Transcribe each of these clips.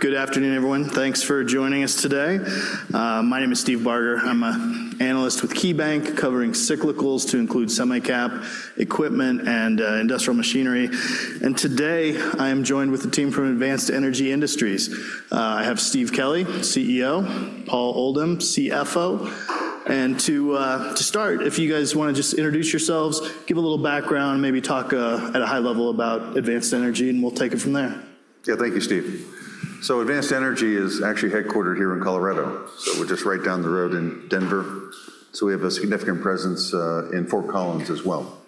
Good afternoon, everyone. Thanks for joining us today. My name is Steve Barger. I'm an analyst with KeyBanc, covering cyclicals to include semi cap, equipment, and industrial machinery. Today, I am joined with the team from Advanced Energy Industries. I have Steve Kelley, CEO, Paul Oldham, CFO. To start, if you guys wanna just introduce yourselves, give a little background, and maybe talk at a high level about Advanced Energy, and we'll take it from there. Yeah, thank you, Steve. So Advanced Energy is actually headquartered here in Colorado, so we're just right down the road in Denver. So we have a significant presence in Fort Collins as well.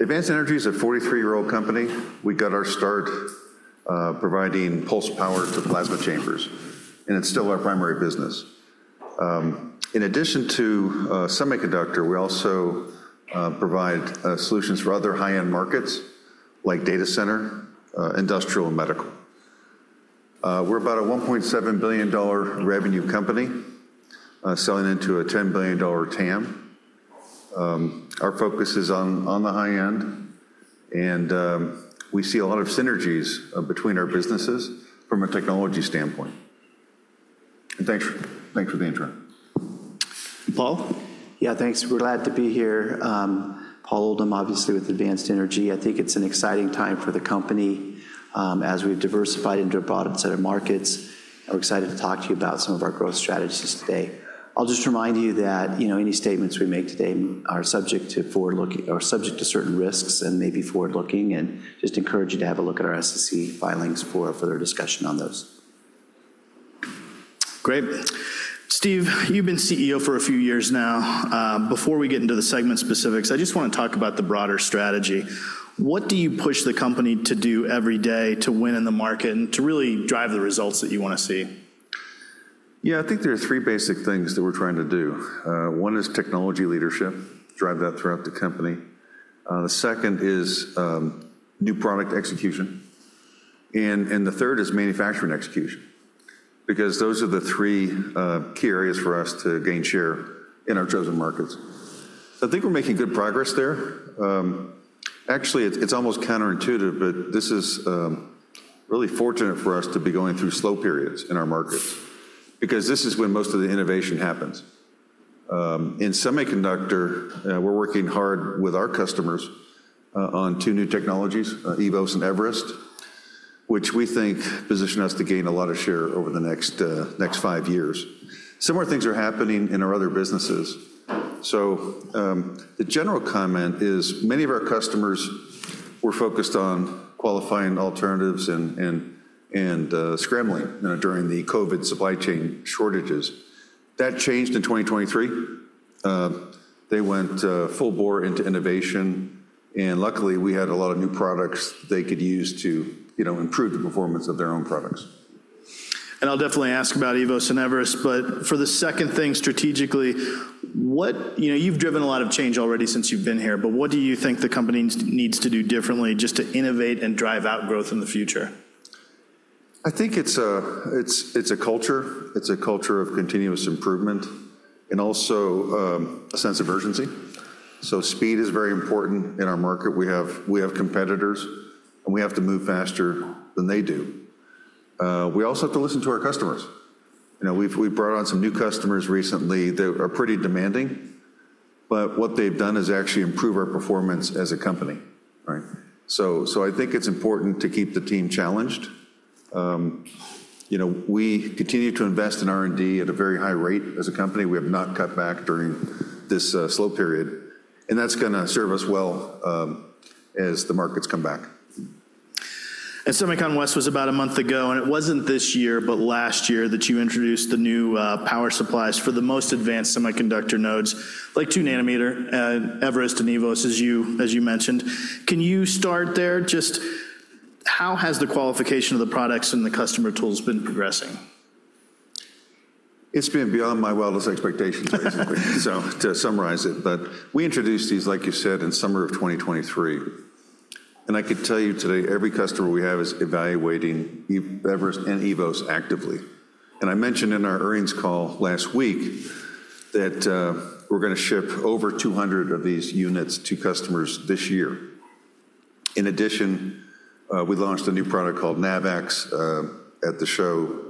Advanced Energy is a 43-year-old company. We got our start providing pulse power to plasma chambers, and it's still our primary business. In addition to semiconductor, we also provide solutions for other high-end markets, like data center, industrial, and medical. We're about a $1.7 billion revenue company, selling into a $10 billion TAM. Our focus is on the high end, and we see a lot of synergies between our businesses from a technology standpoint. And thanks for the intro. Paul? Yeah, thanks. We're glad to be here. Paul Oldham, obviously, with Advanced Energy. I think it's an exciting time for the company, as we've diversified into a broader set of markets, and we're excited to talk to you about some of our growth strategies today. I'll just remind you that, you know, any statements we make today are subject to forward-looking... are subject to certain risks and may be forward-looking, and just encourage you to have a look at our SEC filings for a further discussion on those. Great. Steve, you've been CEO for a few years now. Before we get into the segment specifics, I just want to talk about the broader strategy. What do you push the company to do every day to win in the market and to really drive the results that you want to see? Yeah, I think there are three basic things that we're trying to do. One is technology leadership, drive that throughout the company. The second is new product execution, and the third is manufacturing execution, because those are the three key areas for us to gain share in our chosen markets. I think we're making good progress there. Actually, it's almost counterintuitive, but this is really fortunate for us to be going through slow periods in our markets, because this is when most of the innovation happens. In Semiconductor, we're working hard with our customers on two new technologies, eVoS and eVerest, which we think position us to gain a lot of share over the next five years. Similar things are happening in our other businesses. So, the general comment is, many of our customers were focused on qualifying alternatives and scrambling during the COVID supply chain shortages. That changed in 2023. They went full bore into innovation, and luckily, we had a lot of new products they could use to, you know, improve the performance of their own products. I'll definitely ask about eVoS and eVerest, but for the second thing, strategically, what... you know, you've driven a lot of change already since you've been here, but what do you think the company needs to do differently just to innovate and drive out growth in the future? I think it's a culture. It's a culture of continuous improvement and also a sense of urgency. So speed is very important in our market. We have competitors, and we have to move faster than they do. We also have to listen to our customers. You know, we've brought on some new customers recently that are pretty demanding, but what they've done is actually improve our performance as a company, right? So I think it's important to keep the team challenged. You know, we continue to invest in R&D at a very high rate as a company. We have not cut back during this slow period, and that's gonna serve us well as the markets come back. Semiconductor was about a month ago, and it wasn't this year, but last year, that you introduced the new power supplies for the most advanced semiconductor nodes, like 2-nanometer eVerest and eVoS, as you, as you mentioned. Can you start there? Just how has the qualification of the products and the customer tools been progressing? It's been beyond my wildest expectations, basically—so to summarize it. But we introduced these, like you said, in summer of 2023, and I could tell you today, every customer we have is evaluating eVerest and eVoS actively. And I mentioned in our earnings call last week that, we're gonna ship over 200 of these units to customers this year. In addition, we launched a new product called NAVX, at the show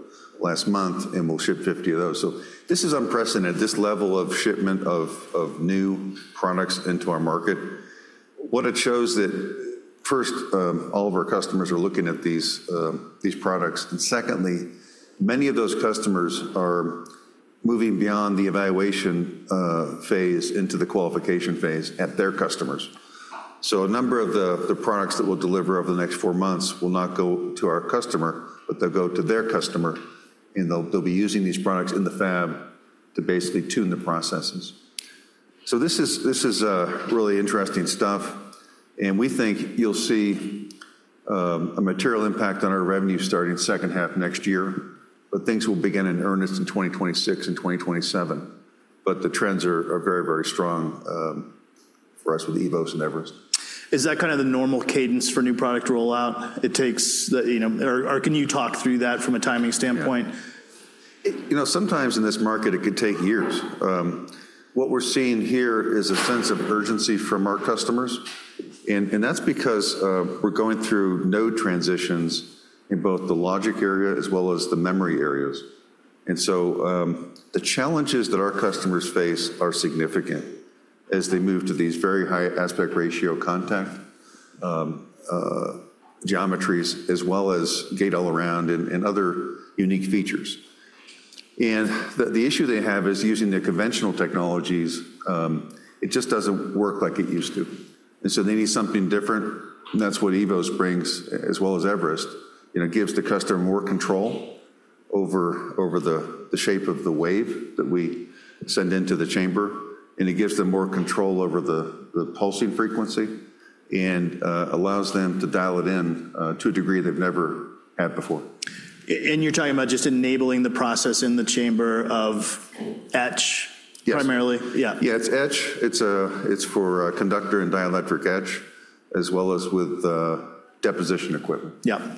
last month, and we'll ship 50 of those. So this is unprecedented, this level of shipment of, of new products into our market. What it shows that first, all of our customers are looking at these, these products, and secondly, many of those customers are moving beyond the evaluation, phase into the qualification phase at their customers. So a number of the products that we'll deliver over the next four months will not go to our customer, but they'll go to their customer, and they'll be using these products in the fab to basically tune the processes. So this is really interesting stuff, and we think you'll see a material impact on our revenue starting second half next year, but things will begin in earnest in 2026 and 2027. But the trends are very, very strong for us with eVoS and eVerest. Is that kind of the normal cadence for new product rollout? It takes, you know... Or can you talk through that from a timing standpoint?... You know, sometimes in this market, it could take years. What we're seeing here is a sense of urgency from our customers, and that's because we're going through node transitions in both the logic area as well as the memory areas. And so, the challenges that our customers face are significant as they move to these very high aspect ratio contact geometries, as well as gate-all-around and other unique features. And the issue they have is using the conventional technologies, it just doesn't work like it used to, and so they need something different, and that's what eVoS brings, as well as eVerest. You know, it gives the customer more control over the shape of the wave that we send into the chamber, and it gives them more control over the pulsing frequency and allows them to dial it in to a degree they've never had before. You're talking about just enabling the process in the chamber of etch... Yes primarily? Yeah. Yeah, it's etch. It's, it's for conductor and dielectric etch, as well as with deposition equipment. Yeah.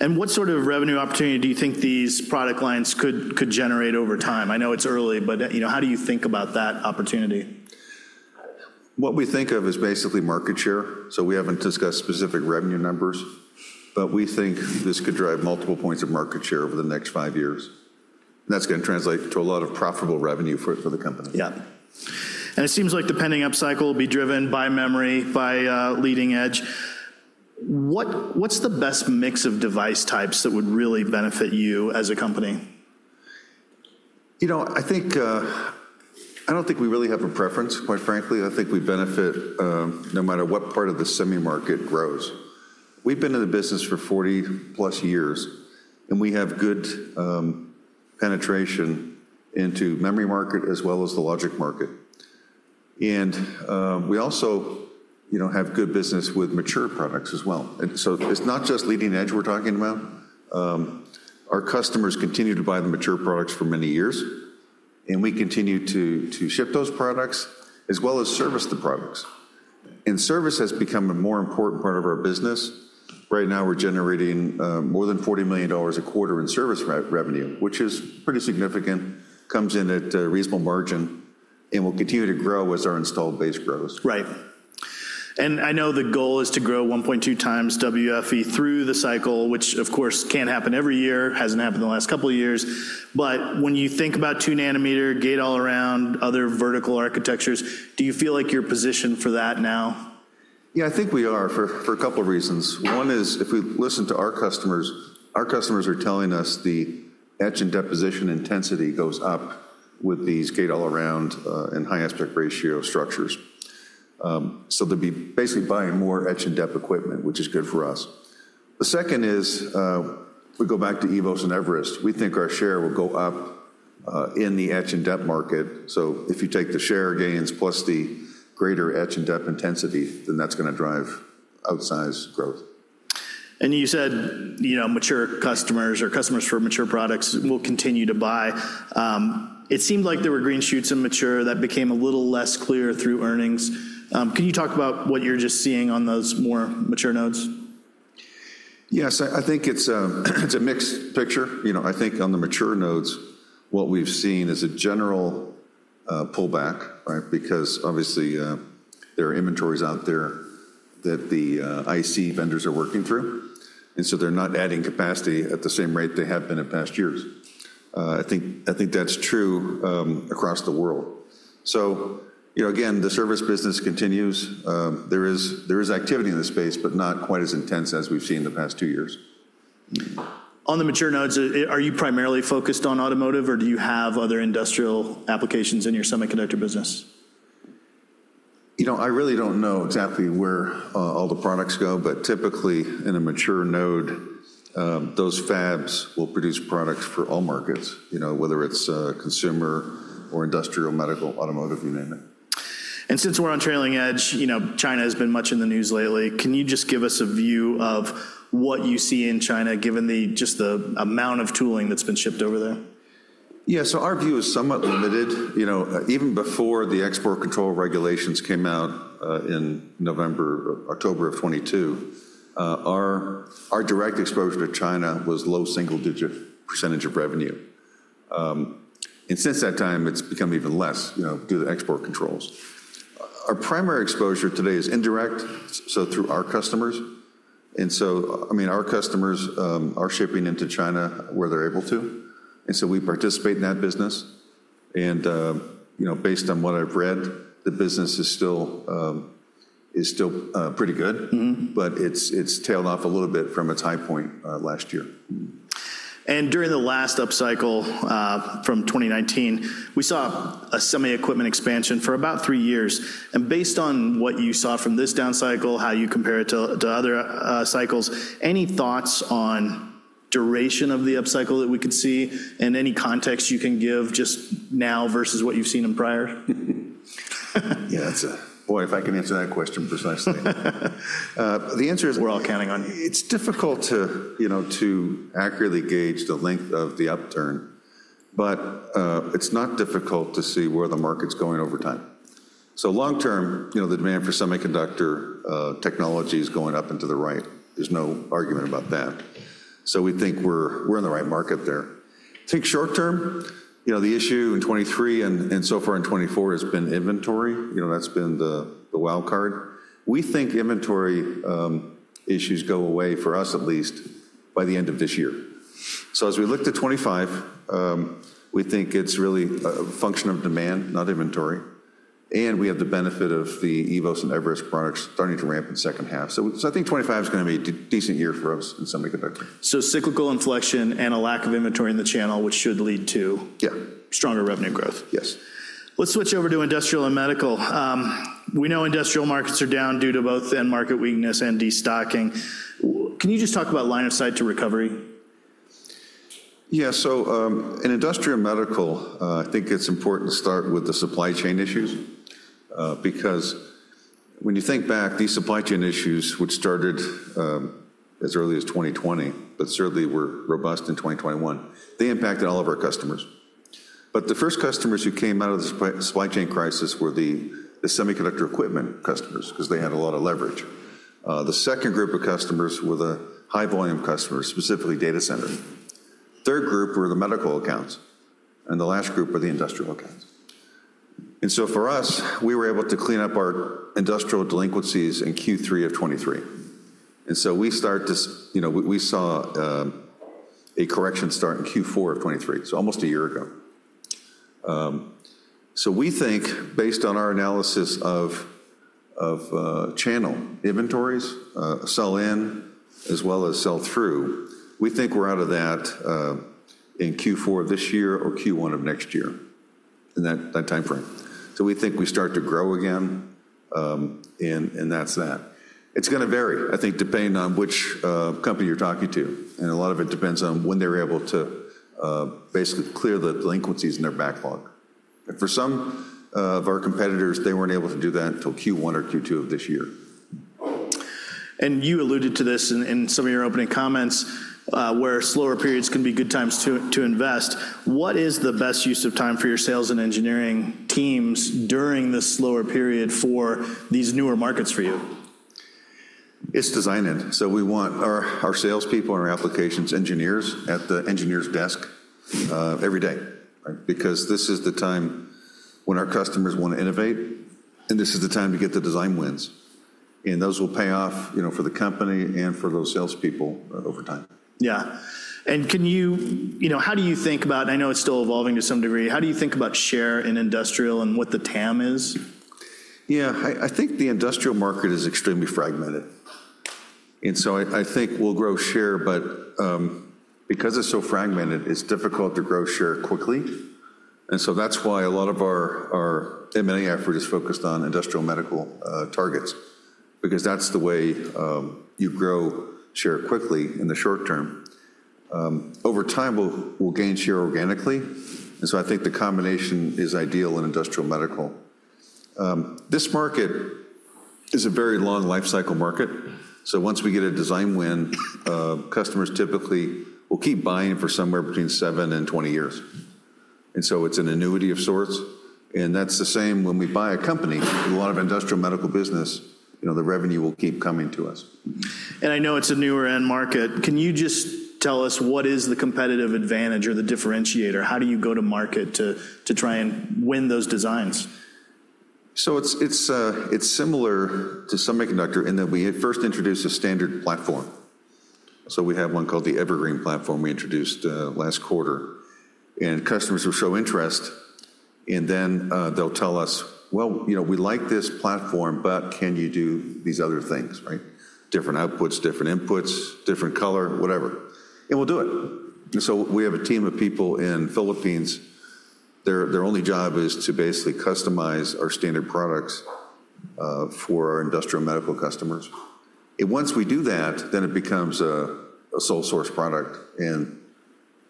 And what sort of revenue opportunity do you think these product lines could, could generate over time? I know it's early, but, you know, how do you think about that opportunity? What we think of is basically market share, so we haven't discussed specific revenue numbers. But we think this could drive multiple points of market share over the next five years, and that's gonna translate to a lot of profitable revenue for the company. Yeah. And it seems like the pending upcycle will be driven by memory, by leading edge. What's the best mix of device types that would really benefit you as a company? You know, I think, I don't think we really have a preference, quite frankly. I think we benefit, no matter what part of the semi market grows. We've been in the business for 40+ years, and we have good penetration into memory market as well as the logic market. We also, you know, have good business with mature products as well. So it's not just leading edge we're talking about. Our customers continue to buy the mature products for many years, and we continue to ship those products, as well as service the products. Service has become a more important part of our business. Right now, we're generating more than $40 million a quarter in service revenue, which is pretty significant. Comes in at a reasonable margin and will continue to grow as our installed base grows. Right. And I know the goal is to grow 1.2 times WFE through the cycle, which of course, can't happen every year, hasn't happened in the last couple of years. But when you think about 2 nanometer, Gate-All-Around, other vertical architectures, do you feel like you're positioned for that now? Yeah, I think we are, for a couple of reasons. One is, if we listen to our customers, our customers are telling us the etch and deposition intensity goes up with these gate-all-around and high aspect ratio structures. So they'll be basically buying more etch and dep equipment, which is good for us. The second is, if we go back to eVoS and eVerest, we think our share will go up in the etch and dep market. So if you take the share gains plus the greater etch and dep intensity, then that's gonna drive outsized growth. You said, you know, mature customers or customers for mature products will continue to buy. It seemed like there were green shoots in mature that became a little less clear through earnings. Can you talk about what you're just seeing on those more mature nodes? Yes, I think it's a mixed picture. You know, I think on the mature nodes, what we've seen is a general pullback, right? Because obviously, there are inventories out there that the IC vendors are working through, and so they're not adding capacity at the same rate they have been in past years. I think that's true across the world. So, you know, again, the service business continues. There is activity in the space, but not quite as intense as we've seen in the past two years. On the mature nodes, are you primarily focused on automotive, or do you have other industrial applications in your semiconductor business? You know, I really don't know exactly where all the products go, but typically, in a mature node, those fabs will produce products for all markets, you know, whether it's consumer or industrial, medical, automotive, you name it. Since we're on trailing edge, you know, China has been much in the news lately. Can you just give us a view of what you see in China, given the, just the amount of tooling that's been shipped over there? Yeah, so our view is somewhat limited. You know, even before the export control regulations came out in November-October of 2022, our direct exposure to China was low single-digit % of revenue. And since that time, it's become even less, you know, due to the export controls. Our primary exposure today is indirect, so through our customers. And so, I mean, our customers are shipping into China where they're able to, and so we participate in that business. And, you know, based on what I've read, the business is still pretty good- Mm-hmm... but it's tailed off a little bit from its high point, last year. Mm-hmm. During the last upcycle, from 2019, we saw a semi equipment expansion for about 3 years. Based on what you saw from this downcycle, how you compare it to other cycles, any thoughts on duration of the upcycle that we could see? Any context you can give just now versus what you've seen in prior? Yeah, it's a... Boy, if I could answer that question precisely. The answer is- We're all counting on you. It's difficult to, you know, to accurately gauge the length of the upturn, but it's not difficult to see where the market's going over time. So long term, you know, the demand for semiconductor technology is going up and to the right. There's no argument about that. So we think we're, we're in the right market there. I think short term, you know, the issue in 2023 and, and so far in 2024 has been inventory. You know, that's been the, the wild card. We think inventory issues go away for us at least by the end of this year. So as we look to 2025, we think it's really a function of demand, not inventory, and we have the benefit of the eVoS and eVerest products starting to ramp in the second half. So I think 2025 is going to be a decent year for us in semiconductor. Cyclical inflection and a lack of inventory in the channel, which should lead to- Yeah stronger revenue growth? Yes. Let's switch over to industrial and medical. We know industrial markets are down due to both end market weakness and destocking. Can you just talk about line of sight to recovery? Yeah. So, in industrial and medical, I think it's important to start with the supply chain issues, because when you think back, these supply chain issues, which started as early as 2020, but certainly were robust in 2021, they impacted all of our customers. But the first customers who came out of the supply chain crisis were the semiconductor equipment customers, 'cause they had a lot of leverage. The second group of customers were the high-volume customers, specifically data center. Third group were the medical accounts, and the last group were the industrial accounts. And so for us, we were able to clean up our industrial delinquencies in Q3 of 2023. And so, you know, we saw a correction start in Q4 of 2023, so almost a year ago. So we think, based on our analysis of channel inventories, sell-in as well as sell-through, we think we're out of that in Q4 of this year or Q1 of next year, in that time frame. So we think we start to grow again, and that's that. It's gonna vary, I think, depending on which company you're talking to, and a lot of it depends on when they're able to basically clear the delinquencies in their backlog. And for some of our competitors, they weren't able to do that until Q1 or Q2 of this year. You alluded to this in some of your opening comments, where slower periods can be good times to invest. What is the best use of time for your sales and engineering teams during this slower period for these newer markets for you? It's design in. So we want our salespeople and our applications engineers at the engineer's desk every day, right? Because this is the time when our customers want to innovate, and this is the time to get the design wins, and those will pay off, you know, for the company and for those salespeople over time. Yeah. And can you? You know, how do you think about, and I know it's still evolving to some degree, how do you think about share in industrial and what the TAM is? Yeah, I think the industrial market is extremely fragmented, and so I think we'll grow share, but because it's so fragmented, it's difficult to grow share quickly. And so that's why a lot of our M&A effort is focused on industrial medical targets, because that's the way you grow share quickly in the short term. Over time, we'll gain share organically, and so I think the combination is ideal in industrial medical. This market is a very long lifecycle market, so once we get a design win, customers typically will keep buying for somewhere between seven and 20 years, and so it's an annuity of sorts, and that's the same when we buy a company. A lot of industrial medical business, you know, the revenue will keep coming to us. I know it's a newer end market. Can you just tell us what is the competitive advantage or the differentiator? How do you go to market to, to try and win those designs? So it's, it's, it's similar to semiconductor in that we had first introduced a standard platform. So we have one called the EverGreen platform we introduced last quarter, and customers will show interest, and then they'll tell us, "Well, you know, we like this platform, but can you do these other things," right? Different outputs, different inputs, different color, whatever, and we'll do it. So we have a team of people in Philippines. Their, their only job is to basically customize our standard products for our industrial medical customers. And once we do that, then it becomes a sole source product, and,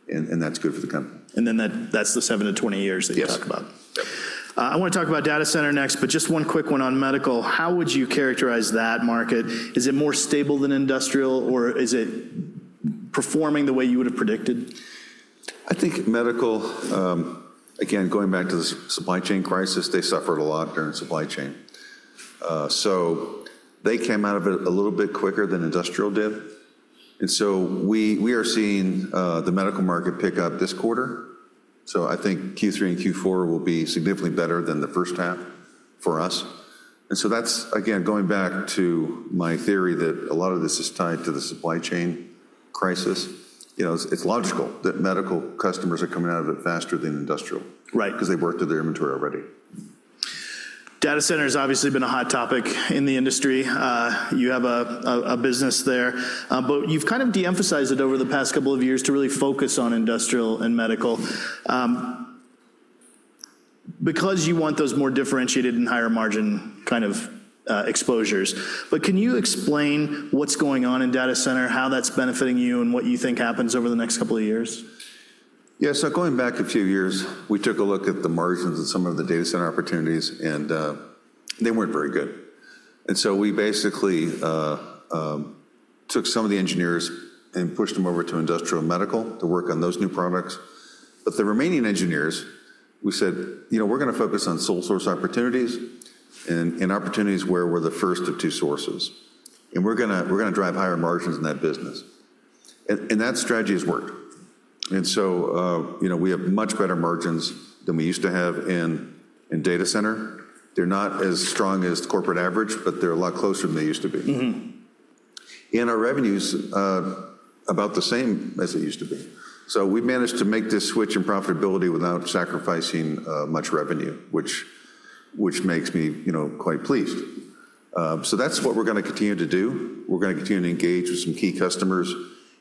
and, and that's good for the company. And then, that, that's the 7-20 years- Yes that you talked about. Yep. I want to talk about Data Center next, but just one quick one on Medical: How would you characterize that market? Is it more stable than Industrial, or is it performing the way you would have predicted? I think medical, again, going back to the supply chain crisis, they suffered a lot during supply chain. So they came out of it a little bit quicker than industrial did, and so we, we are seeing, the medical market pick up this quarter. So I think Q3 and Q4 will be significantly better than the first half for us. And so that's, again, going back to my theory that a lot of this is tied to the supply chain crisis. You know, it's, it's logical that medical customers are coming out of it faster than industrial- Right because they worked through their inventory already. Data center's obviously been a hot topic in the industry. You have a business there, but you've kind of de-emphasized it over the past couple of years to really focus on industrial and medical, because you want those more differentiated and higher-margin kind of exposures. But can you explain what's going on in data center, how that's benefiting you, and what you think happens over the next couple of years? Yeah, so going back a few years, we took a look at the margins of some of the data center opportunities, and they weren't very good. So we basically took some of the engineers and pushed them over to industrial and medical to work on those new products. But the remaining engineers, we said, "You know, we're going to focus on sole source opportunities and opportunities where we're the first of two sources, and we're gonna drive higher margins in that business." And that strategy has worked. So you know, we have much better margins than we used to have in data center. They're not as strong as the corporate average, but they're a lot closer than they used to be. Mm-hmm. Our revenue's about the same as it used to be. So we've managed to make this switch in profitability without sacrificing much revenue, which makes me, you know, quite pleased. So that's what we're going to continue to do. We're going to continue to engage with some key customers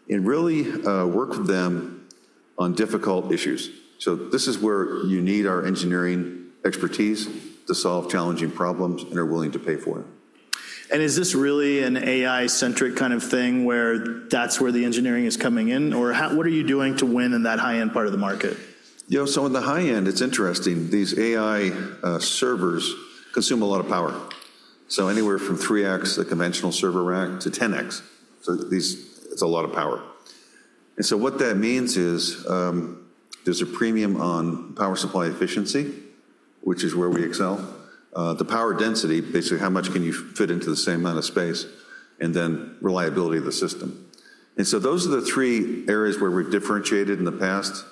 and really work with them on difficult issues. So this is where you need our engineering expertise to solve challenging problems, and are willing to pay for it. Is this really an AI-centric kind of thing, where that's where the engineering is coming in? Or what are you doing to win in that high-end part of the market? Yeah, so in the high end, it's interesting. These AI servers consume a lot of power. So anywhere from 3x the conventional server rack to 10x, so these, it's a lot of power. And so what that means is, there's a premium on power supply efficiency, which is where we excel. The power density, basically how much can you fit into the same amount of space, and then reliability of the system. And so those are the three areas where we've differentiated in the past,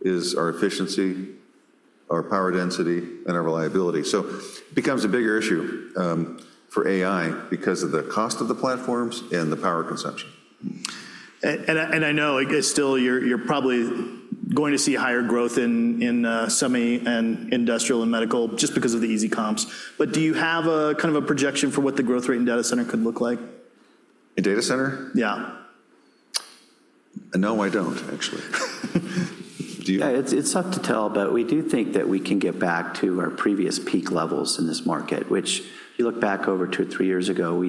is our efficiency, our power density, and our reliability. So it becomes a bigger issue, for AI because of the cost of the platforms and the power consumption. And I know, like, still you're probably going to see higher growth in semi and industrial and medical, just because of the easy comps. But do you have a kind of projection for what the growth rate in data center could look like? In Data Center? Yeah. No, I don't, actually. Do you- Yeah, it's tough to tell, but we do think that we can get back to our previous peak levels in this market, which, if you look back over two, three years ago,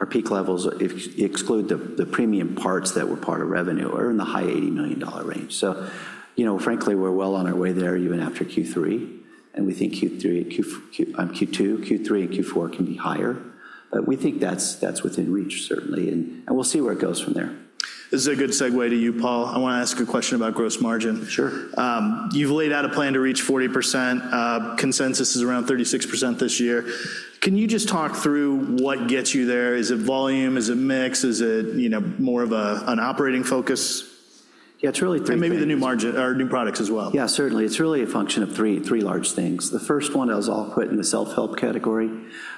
our peak levels, if you exclude the premium parts that were part of revenue, are in the high $80 million range. So, you know, frankly, we're well on our way there, even after Q3, and we think Q2, Q3, and Q4 can be higher. But we think that's within reach, certainly, and we'll see where it goes from there. This is a good segue to you, Paul. I want to ask a question about gross margin. Sure. You've laid out a plan to reach 40%. Consensus is around 36% this year. Can you just talk through what gets you there? Is it volume? Is it mix? Is it, you know, more of a, an operating focus? Yeah, it's really three things- Maybe the new margin, or new products as well. Yeah, certainly. It's really a function of three, three large things. The first one I'll put in the self-help category.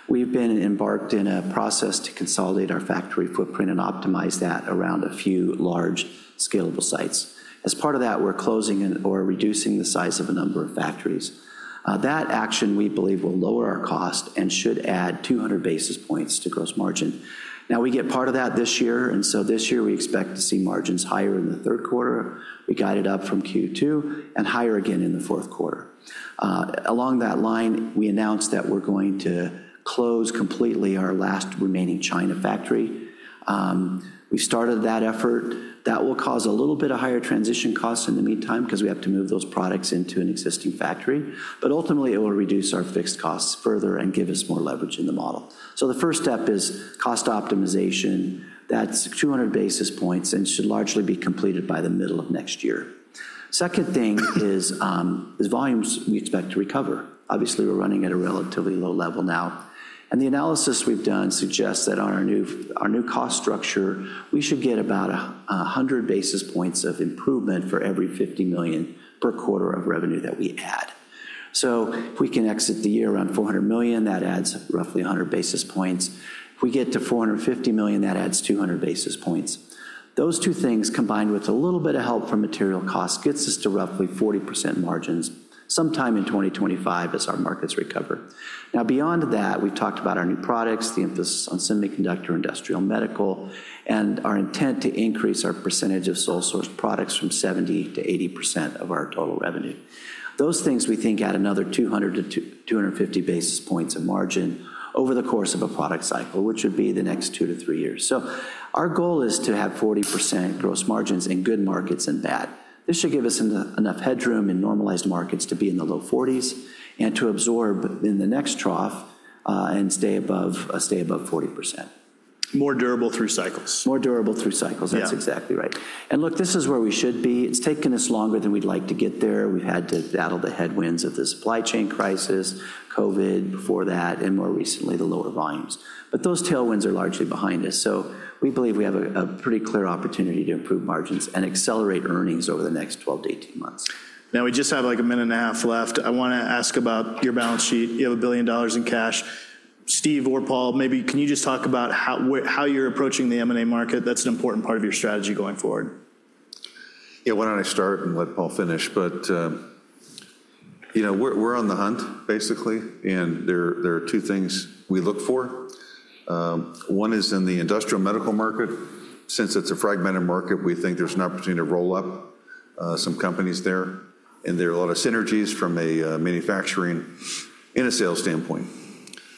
We've been embarked in a process to consolidate our factory footprint and optimize that around a few large, scalable sites. As part of that, we're closing and/or reducing the size of a number of factories. That action, we believe, will lower our cost and should add 200 basis points to gross margin. Now, we get part of that this year, and so this year we expect to see margins higher in the third quarter. We got it up from Q2 and higher again in the fourth quarter. Along that line, we announced that we're going to close completely our last remaining China factory. We started that effort. That will cause a little bit of higher transition costs in the meantime, because we have to move those products into an existing factory, but ultimately, it will reduce our fixed costs further and give us more leverage in the model. So the first step is cost optimization. That's 200 basis points and should largely be completed by the middle of next year. Second thing is volumes we expect to recover. Obviously, we're running at a relatively low level now, and the analysis we've done suggests that on our new cost structure, we should get about 100 basis points of improvement for every $50 million per quarter of revenue that we add. So if we can exit the year around $400 million, that adds roughly 100 basis points. If we get to $450 million, that adds 200 basis points. Those two things, combined with a little bit of help from material costs, gets us to roughly 40% margins sometime in 2025 as our markets recover. Now, beyond that, we've talked about our new products, the emphasis on semiconductor, industrial, medical, and our intent to increase our percentage of sole source products from 70%-80% of our total revenue. Those things, we think, add another 200-250 basis points of margin over the course of a product cycle, which would be the next 2-3 years. So our goal is to have 40% gross margins in good markets and bad. This should give us enough headroom in normalized markets to be in the low 40s and to absorb in the next trough, and stay above, stay above 40%. More durable through cycles. More durable through cycles. Yeah. That's exactly right. And look, this is where we should be. It's taken us longer than we'd like to get there. We had to battle the headwinds of the supply chain crisis, COVID before that, and more recently, the lower volumes. But those tailwinds are largely behind us, so we believe we have a pretty clear opportunity to improve margins and accelerate earnings over the next 12-18 months. Now, we just have, like, 1.5 minutes left. I want to ask about your balance sheet. You have $1 billion in cash. Steve or Paul, maybe can you just talk about how, what, how you're approaching the M&A market? That's an important part of your strategy going forward. Yeah, why don't I start and let Paul finish. But, you know, we're on the hunt, basically, and there are two things we look for. One is in the industrial medical market. Since it's a fragmented market, we think there's an opportunity to roll up some companies there, and there are a lot of synergies from a manufacturing and a sales standpoint.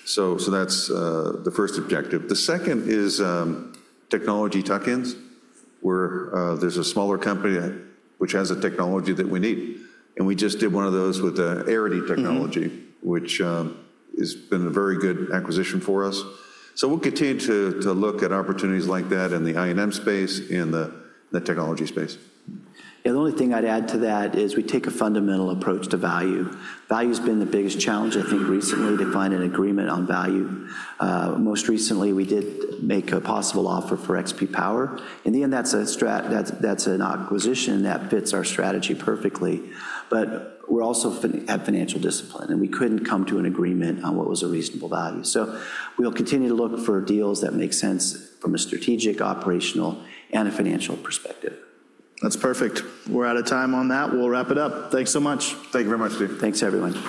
So that's the first objective. The second is technology tuck-ins, where there's a smaller company which has a technology that we need, and we just did one of those with the Airity technology- Mm-hmm... which has been a very good acquisition for us. So we'll continue to look at opportunities like that in the I&M space and the technology space. And the only thing I'd add to that is we take a fundamental approach to value. Value's been the biggest challenge, I think, recently, to find an agreement on value. Most recently, we did make a possible offer for XP Power. In the end, that's an acquisition that fits our strategy perfectly, but we also have financial discipline, and we couldn't come to an agreement on what was a reasonable value. So we'll continue to look for deals that make sense from a strategic, operational, and a financial perspective. That's perfect. We're out of time on that. We'll wrap it up. Thanks so much. Thank you very much, Steve. Thanks, everyone.